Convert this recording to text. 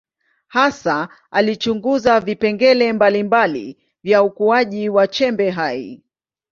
Hasa alichunguza vipengele mbalimbali vya ukuaji wa chembe hai.